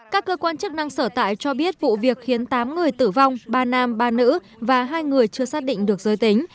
các cơ quan chức năng sở tại cho biết vụ việc khiến tám người tử vong ba nam ba nữ và hai người chưa xác định được giới tính